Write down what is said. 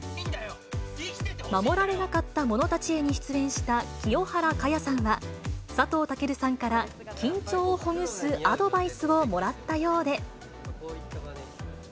護られなかった者たちへに出演した清原果耶さんは、佐藤健さんから、緊張をほぐすアドバイスをもらったようで。